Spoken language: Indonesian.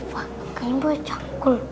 faknya boleh canggul